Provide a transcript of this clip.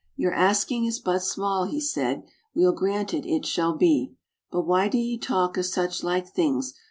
'Your asking is but small," he said; 'Weel granted it shall be. But why do ye talk o' suchlike things?